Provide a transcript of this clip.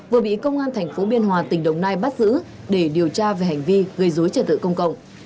vừa bị công an tp biên hòa tỉnh đồng nai bắt giữ để điều tra về hành vi gây dối trật tự công cộng